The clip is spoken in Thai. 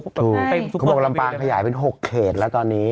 เขาบอกลำปางขยายเป็น๖เขตแล้วตอนนี้